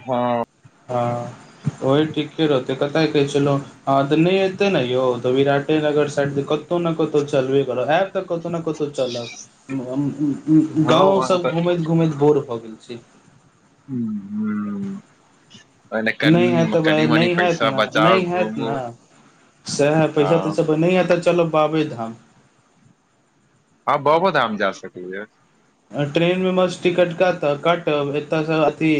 ह ह ओहि ठीके रहतै, कतय कहै छलो, ह तऽ नहि एतै ने यौ तऽ विराटेनगर साइड देखत। कतो ने कतो चलबे करब। ऐब तऽ कतो ने कतो चलब। ह हँ गाव वहाँ तऽ सभ घूमैत घूमैत बोर भऽ गेलिए। हू नई हेत तऽ बै, नई हैत ने नई बचाउ हैत घूमू न। से है, पैसा हँ तैसा पर नई हेट चलो बाबे धाम। हँ बाबा धाम जा सकै छै ट्रेन में मस्त टिकट कट कट एतय सँ अथी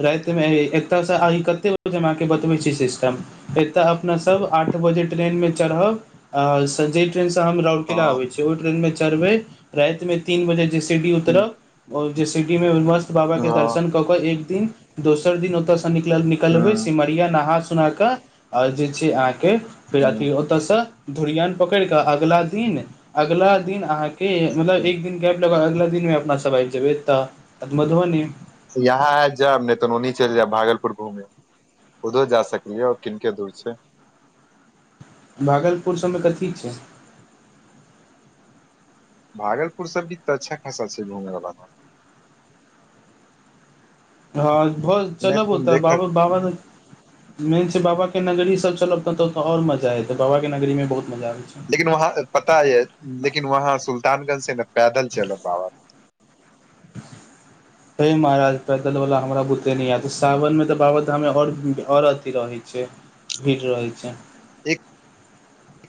राति में एकत आइ कते बजे अके बतबै छी सिस्टम एतऽ अपना सभ आठ बजे ट्रेन में चढ़ब। और सँ जे ट्रेन से हम लौट किना हँ आबै छै ओ ट्रेन में चरबै राईत में तीन बजे डीसीडी उतरब ओ डीसीडी में मस्त बाबा के हँ दर्शन कौ कऽ एक दिन दोसर दिन ओत सँ निकलल निकलव कलबे ह सिमरिया नहा सुना कऽ और जे छै अहाँके फेर अथी धूरीयान पकर केँ अगला दिन अगला दिन अहा के मतलब एक दिन अगला दिन में अपना सभ जब मधुबनी आब जबै यहाँ आय जाब ने तऽ चलि जायब भागलपुर घूमै उधर जा सकलियै और किनक दूर सँ भागलपुर सभ में कथी छै भागलपुर सभ तऽ अच्छा खासा छै घूमै वाला हा बहुत नहि चलब त होता देख बाब बाब ने मेन छै बाबाके नगरी सब चलब ततऽ तऽ आओर मजा एतै बाबाके नगरीमे बहुत मजा आबै छैय लेकिन वहाँ पता यै लेकिन वहाँ सुल्तानगंज से ने पैदल चलब बाबा [unintelligible] हे महाराज पैदलवला हमरा बुते नहि आयत सावनमे तऽ बाबाधाममे आओर अथिी रहैत छै भीड़ रहै छै एक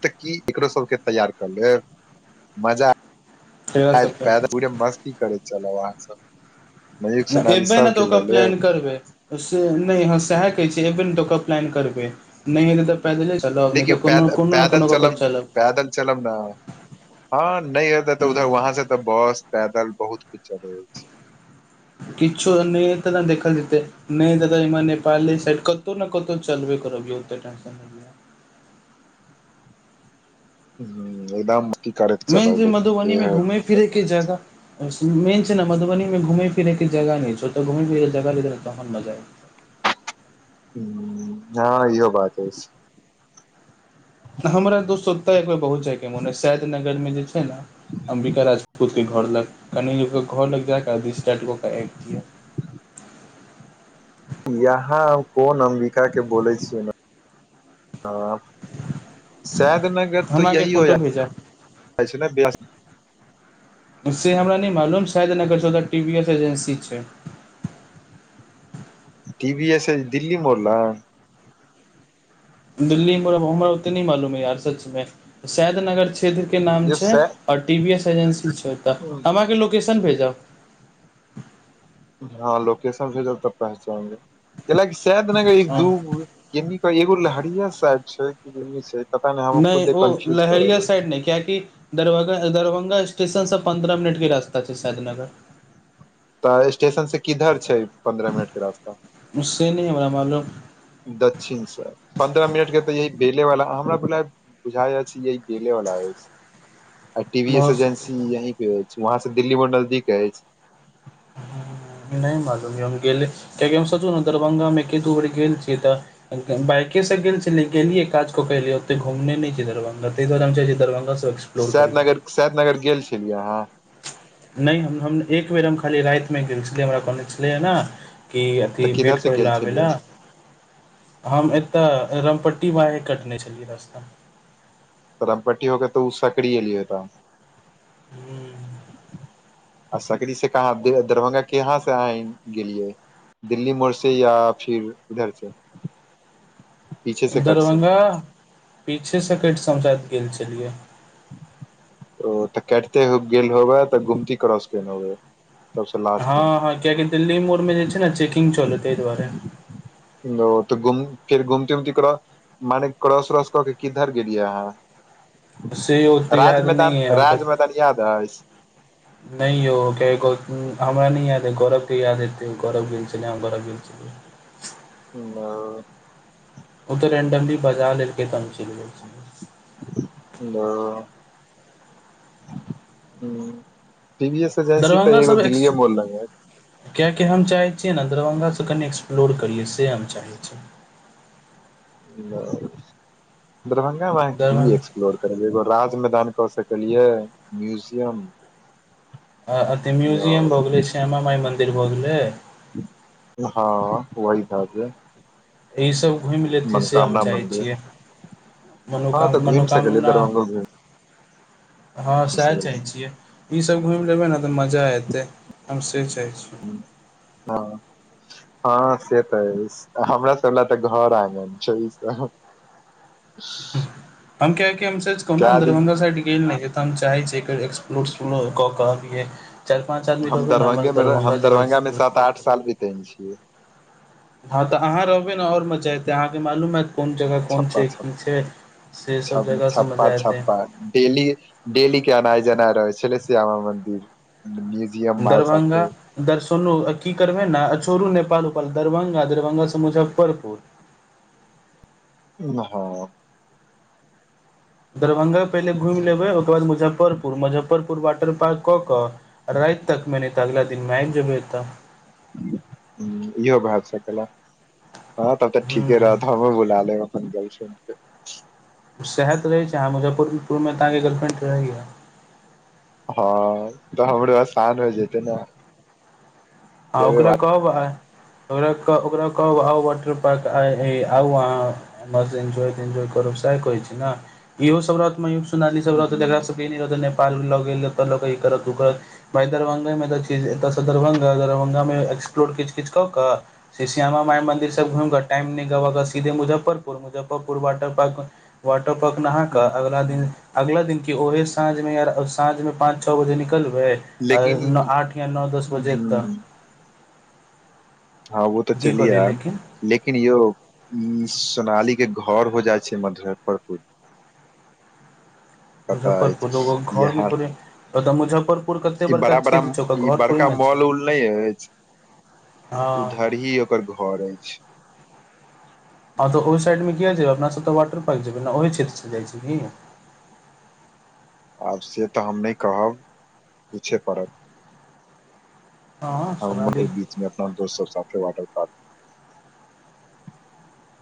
तऽ की एकरो सब के तैयार क लेब मजा डेरा सबके पैदल पे मस्ती करै चला वहाँ सब मयूख सोनाली एबै ने तऽ सबके ओकर लऽ प्लान लेब करबै से नहि हँ सएह कहैत छियै एवेन्ट ओके प्लान करबै नहि हेत तऽ पैदले चलब देखियौ तऽ कोनो पैद कोनो ने पैदल कोनो चलब ककेचलब पैदल चलब ना हँ न ए तऽ हूँ उधर वहां से तऽ बस पैदल बहुत कुछ चलैअछि किछु नहि तऽ ने देखल जेतै नहि दादा इमर नेपाले साइड कतहु ने कतहु चलबे करबते टेन ह एकदम की करैके चल लेकिन ह फिर के एके जगह मेन छै न ने मधुबनी मे घूमै फिरैके जगह छो त घूमै फिरके जगह ल तहन मजाय हँ इहो बात अछिइ हमरा दोस्त बहुत जाय के मोन शैद नगर में जे छै ने अं्बिका राजपूत घर लग कनि लोक घर लग जााकऽ दिस टाारट कऽ केऽ आबि दिये यहाँ कोन अम्बिका के बोलै छियै ने सैद नगर तऽ हमरा के यही हो फोटो जा भेजा छै ने से हमरा नहि मालूम शायदर चौ टी वी एस एजेन्सी छै टि भी एस एजेदिलली मोर लग दिल्लीमे हमरा ओतेक नहि मालूम हइ यार सचमे सैद नगर क्षेत्रके नाम यौ छै सै आओर टी वी एस एजेन्सी छै तऽ हम अहाँके लोकेशन भेजब हँ लोकेशन भे जब तक पहुँचाएंगेाकि सैद नगर एक दू एगो लहेरिया साराय छै पता हम नहि खुदे ओ कन्फ्यूज लहरिया करल साराय अछि नहि क्य क दरभा दरभङंगग स्टेशन से पन्द्रह मिनट के रास्ता छै शायद नगर तऽ स्टेशन से किधर छै पन्द्रह मिनट के रास्ता उसँ नहि हमरा मालू दच्षिण पन्द्रह मिनट के तऽ यही बेले वला हमरा बुझाइए बुझाय य छै यह गेले वाला है आ टी वी एस भऽ सकै एजेंसी यहीं प रअछि वहं से दिल्ली मे नजदीक अछि नहि मालु गेल छी तऽसोचलहुन कतेकबेर गेलछियैत बाइके से गेल छलिए गेलियै काज के अलिये ओते घूमने नहि छै दरभंगा ताहिद्वआरे हम चाहे छी दरभंगा एक्सप्लोर करियै सैदनगर सैदनगर गेल छलियै अहाँ नहि हम हम एक बेर हम खाली राति मे गेल छलियै हमरा कहॉने छलै हे ने की अथि तऽ किधर भेट से करै गेल ल हबै छलियै ने हम एतय रामपट्टी बाहे कटने छलियै रास्ता तम पट्टी होके त ओ सकड़ीए लियता ह्म आ सकरी से कहाँ दरभंगा केहाँ से आ गेलियै दिल्ली मोड़ से या फिर इधर से पीछे से कट से दरभंगा पीछे सँ कटि समझा गेल छलियै ओ तऽ कटिते हुए गेल होबे तऽ गुमती क्रॉस कर कऽ होबे हँ हा कियकि दिल्ली मोड़ में जे छै ने चेकिंग चलै ताहि दुआरे ओ तऽ घुम फिर घुमति क्रोस मने क्रस कर कऽ केँ किधर गेलियै अहाँ से ओते राज याद मैदान नहि य राज मैदान याद अइछ नै यौ हमरा नइ याद है गौरव के याद हेते गौरव गेल छले [inaudible] हा ओ तऽ रेंडमली बजा लेलके तऽ हम चलि गेल छलियै ओ जेसे तऽ दरभंगा एो सब एक्स दिल्लए मोर लगन कियाकि हम चाहैत छियै ने दरभंगा स कनि एक्सप्लोर करियै से हम चाहैत छी दरभंगा मे अहाँ कि दरभंगा एक्प्लोर कर एगो राज मैदान कऽ सकलियै म्यूजियम अथी म्युजियम आओर भऽ गेलै श्यामा माई मन्दिर भऽ गेलै ह वहि ठसे ई सभ घूमि लेतियै से हम चाहै मंदिर छियै हँ तऽ मनोकामना घुमि सकलियै मनोकामना दरभंगो घुमि ह सएह सकलियै चाहैत छियै ई सभ घुमि लेबै ने तऽ मजा एते हम से चाहै छीयो। ह हँ से तऽ अए छै हमरा सभ लए तऽ घर आंगन छै ई सभ हम किया कि हम सच कहू ना हम कए दिन दरभंगा साइड गेल नै छिया तऽ हम चाहै छियै एक एक्सप्लोरसलो कऽ के अबियै चारि पाँच आदमी हम रहबै ने एमहर दरभंगे से मे रह- हम दरभंगा जेबै मे सात सभ [unintelligible] हँ तऽ अहाँ रहबै ने आओर मजा एतै अहाँकेँ मालूम हत कोन जगह कोन छप्पा छै छप कि छै से सभ छप जगह समझ छप्पा एतै छप्पा डेली डेली के एनाई जनाई रहै छलै श्यामा मन्दिर दरभंगा। दर्शनू आ कि करबै ने आ छोरु नेपाल उपाल दरभंगा दरभंगा सँ मुजफ्फरपुर इमहर। दरभंगा पहिले घुमि लेबै ओहिके बाद मुजफ्फरपुर मुजफ्फरपुर वाटर पार्क कऽ राति तक मै ने तऽ अगला दिन मे आइब जबै एत आ इहो भए सकेल हँ तब तऽ ठीके रहत। हुँ हम बुला लेब अपन सैहे तऽ रहै छै आहा मुजफ्फरपुर मे ते अहाँकेँ गर्लफ्रेंड रहैएै ह तऽ हमरो आसान हो जेतै ने आ देबे ओकरा वा कहब आय। ओकरा कह ओकरा कहब आउ वाटर पार्क आई हे आउ अहाँ मस्त इन्जॉय तेन्जॉय करब सह कहे छी ने इहो सभ रहत [unintelligible] पार्क हूँ उरक लऽ गेल तऽ ह करत ओ करत भाई दरभंगा मे तऽ छी दरभंगा दरभंगा मे एक्सप्लोर किच किच कऽ से श्यामा माय मन्दिर सब घुमि कऽ टाइम न द कऽ ग सीधे Muzaffarpur, Muzaffarpur water park water park नहा कऽ अगला दिन अगला दिन कि ओहे साँझमे य साँझमे पाँच। छओ बजे निकलबै लेकिन आ ई आठ या नओ दस बजे तक हूँ हँं वो तऽ की चली कहलियै याब लेकिन लेकिन यौ ई सोनाली के घर हो जाइ छै मजफ्फरपुर पता मुजफ्फरपुरगो अछि घर मे यहाँ थोड़े बता मुजफ्फरपुर कते ई बड़का बड़ा बड़ा क्षेत्र ओकर ई घर थोड़े बड़का ने छै मॉल उल नहि अछि। हँ उधर ही ओकर घर अछि। हँ तऽ ओहि साइडमे कियाल जेबै अपना सभ तऽ वाट पार्क जेबै ने ओहि क्षेत्रसँ जाइ छैै की। आब से तऽ हम नहि कहब पूछे पड़त। हँ आ सोनाली बीचमे अपना दस्त सब साथे वाटर पॉर्क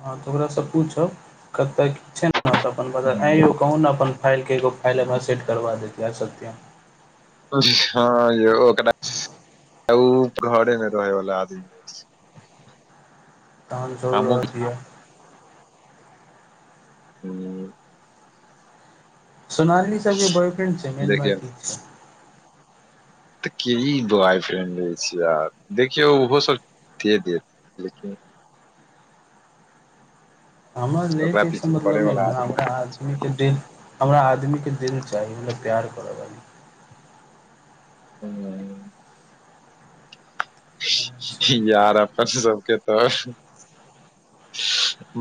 हँ तऽ ओकासँ पूछब कतय छै ने त अपन ब आएं हूँ कहू ने अपन फाइलके एगो फाइल हमरा सेट करबा देत आ सत्यम ह। हँ यौ ओकरा उ घरे मे रहै वाला आदमी अछि तहन जरूर हमहुँ रह दिअ हूँ सोनालि सबके बॉयफ्रेंड छै मेन देखियौ बात इ छै तऽ क ई बॉ फ्रेंड लै छिय यार देखियौ ओहो सब दे देत लेकिन हमरा ले ओकरा दे एहिसँ पीछे मतलब पड़े नहि वाला न हमरा आदमीक के दिल हमरा आदमीके दिल चाही मतलब प्यार करबी। हू वाली यार अपन सबके तऽ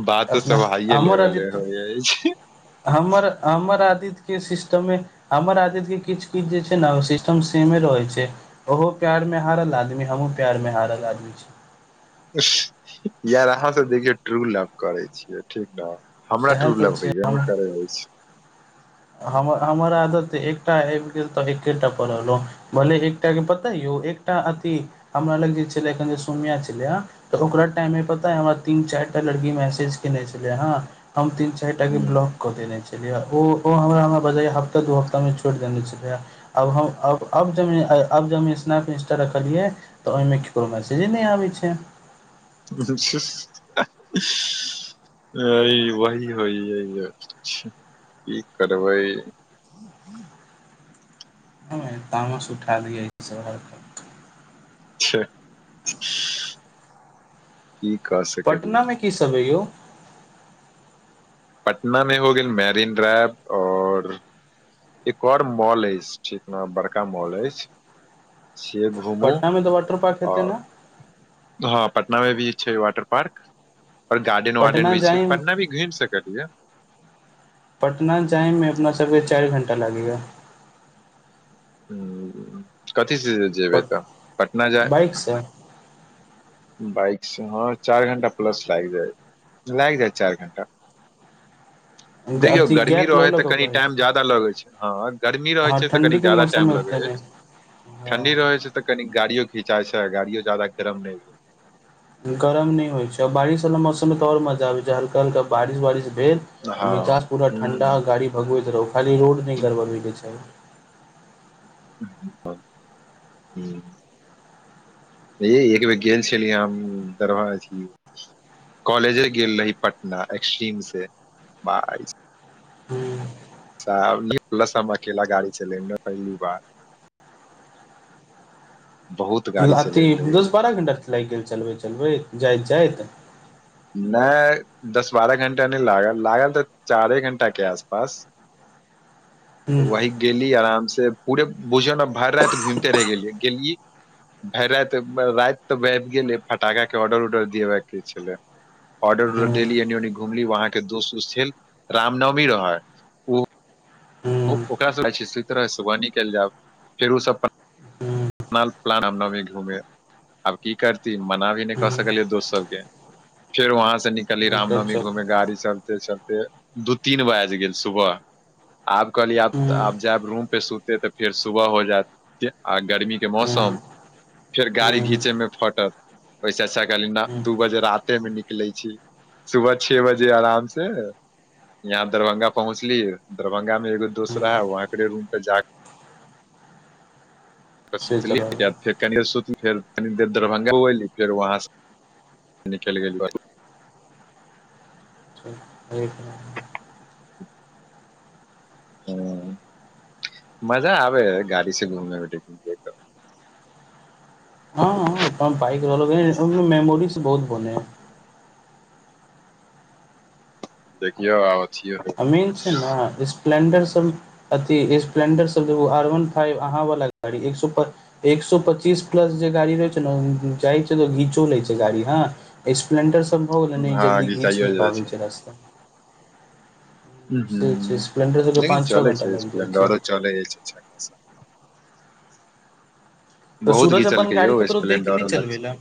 बात तऽ अपना सब हाइए हमर लेवले आदित्य होइ [inaudible] हमर हमर आदित्य के सिस्टममे आर आदित्यके किछ किछ जे छै ने सिस्टम सेमे रहै छै। ओहो प्यार मे हारल आदमी हमहुँ प्यार मे हारल आदमी छी। यार अहाँ सब देखियौ ट्रू लव करै छियै ठीक न हमरा सएह टूर तऽ लव छै होयबे हम नहि करै अछि। हम हमर आदत एकटा आबि गेल तऽ एकेटा पढ़लहुँ। भले एकटा के पता यौ एकटा अथि हमरा लग जे छलै एखन जे सोनिया छलै ह। तऽ ओकरा टाइमे मे पता य हमरा तीन चारि टा लड़की मैसेज केने छले हे हम तीन चार। चारिटाक कि हूँ ब्लॉक कऽ देने छलियै ओ हमरा हमरा बजै हप्ता दू हफ्तामे छोड़ि देने छलैए। आब हम अब अब ज अब जब हम स्नैप इंस्टा रखलियै। तऽ ओहिमे केकरो मैसेजे नहि आबैत छै। [unintelligible] वही होइ [inaudible] की करबै। हमे तामस उठा लिय इ सब हर की कह सकै। पटना मे की समय यौ पटना मे हो गेल मैरिन ड्राइव आओर, एक आओर मॉल अछि ठीक न बड़का मॉल अछि। से घुमू पटना मे तऽ वाटर पार्क हेतै आओर, ने हँ पटनामे भी छै वाटर पार्क, आओर गार्डन वार्डन पटना भी छै जाइम पटना भी घुमि सकलियै। पटना जाइमे अपना सबके चारि घण्टा लागैय ह्म कथीसँ जेयबै तऽ पटना जाय। बाइक [inaudible] बाइक से हँ चार घण्टा प्लस लाग जाय लाग जायत चार घण्टा अथि गर्मी गैप लऽ रहै ले तऽ के कनि कहै टाइम छै ज्यादा लगै छै हँ गर्मी रहै ह छै तऽ कनि ठणडी के ज्यादा टाइम मौसम में लगै तेने अछि ठंडी रहे छै त कनि गाड़ियो घिंचायई छै गाड़ियो जादा गरम नय भेल गरम नय होइ छै ओर बारिश वला मौसम मे तऽ ओर मजा आबै छै हल्का हल्का बारिश वारिश भेल निचास पुरा ठण्डा हँ गाड़ी भगबैत रहू खाली रोड नय गड़बड़ होए क चाहि [inaudible] य एक बेर गेल छलिय हम [inaudible] छी कॉलेजे गेल रही पटना एक्स्ट्रीम से बाइ [inaudible] प्लस अकेल गाड़ी चलेनू पहिला बार बहुत गाड़ी अथी चलेने रहियै दस बारह घण्टा लाइग गेल चलबैत चलबैत जाइत जाइत नय दस बारह घण्टा नय लागल लागल तऽ चारे घंटा के आस पास [inaudible] वही गेली आराम से पूरे भुझन भेर राइत र घूमिते रह गेली गेलीय भेर रात रात तऽ बबि गेल फटाके ऑर्डर उर्डर देिबेके छलै ऑर्डर उर्डर हूँ देली एनी ओनी घुमली वहाँ के दोस्त उो्त छैल रामनवमी रहै ओ हूँ [inaudible] हूँ प्लान हम [inaudible] नी घूमे आब की करती मना भी नय क सकलियै दोस्त सब के फेर वहाँ से निकली हूँ रामनवमी अच्छा घूमे गाड़ी सब चलते चलते दू तीन बाइज गेल सुबह आब कहलिय आब हूँ आब जैयब रूम पे सुते तऽ फेर सुबह हो जायत आ गर्मी के मौसम हूँ फेर गाड़ी हूँ घीचे में फटत ओइ से अच्छा कहली हूँ दू बजे राते मे निकलै छी सुबह छै बजे आराम से यहाँ दरभंगा पहुँचलीए दरभंगा एगो दोस्त रहा हँ वहाँ ओकरे रूम पे जाक सुतलिय [unintelligible] [inaudible] कनि दे सुतल फेर कनि देर दरभङ्गा अयली फेर वहाँ से निकलि गेली [inaudible] ह मजा आबे है गाड़ी से घुमे मे लेकिन [inaudible] हँ हँ बाइक रहल ह ओहिमे मेमोरीज बहुत बनेै हइ देखियौ और अ मेन छै न स्प्लेंडर सब अथि स्पलेंडर सब देखु [unintelligible] आर वन फाइव अहाँ वाला गाड़ी एक स एक सए पच्चीस प्लस जे गाड़ी रहै छै ने जाइ छै त घीचो लै छै गाड़ी हँ स्प्लेंडर सब भऽ गेलै नय हँ जल्दी घीच घिचाइयो नय जाइ पाबै छै रास्ता हू हू से छै स्प्लेंडर सबके लेकिन पाँच छओ चले घंटा छै लागि जाइ छै स्प्लेंडरो चलै ऐछ अच्छा खासा तऽ बहुत सूरज अपन घिचलकै यौ गाड़ी ककरो दै के स्प्लेंडरो नय लग चलबै लए